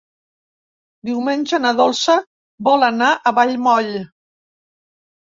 Diumenge na Dolça vol anar a Vallmoll.